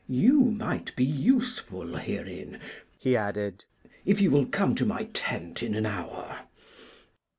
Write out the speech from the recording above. You might be useful herein," he added, "if you will come to my tent in an hour."